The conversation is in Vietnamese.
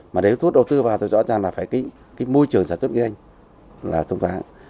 mà nếu thu hút đầu tư vào thì rõ ràng là phải cái môi trường sản xuất nguyên danh là thông tháng